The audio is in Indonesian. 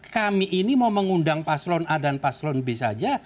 kami ini mau mengundang paslon a dan paslon b saja